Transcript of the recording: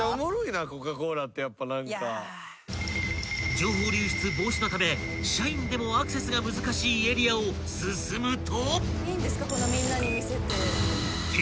［情報流出防止のため社員でもアクセスが難しいエリアを進むと］